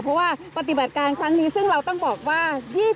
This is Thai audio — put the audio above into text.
เพราะว่าปฏิบัติการครั้งนี้ซึ่งเราต้องบอกว่า